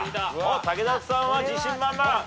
武田さんは自信満々。